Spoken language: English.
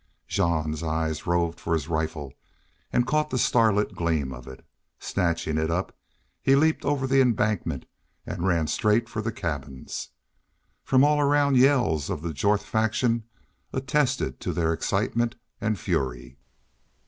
Jean's eyes roved for his rifle and caught the starlit gleam of it. Snatching it up, he leaped over the embankment and ran straight for the cabins. From all around yells of the Jorth faction attested to their excitement and fury.